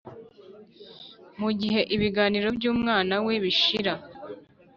mugihe ibiganiro byumwana we bishira,